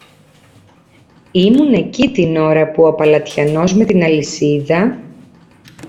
ήμουν εκεί την ώρα που ο παλατιανός με την αλυσίδα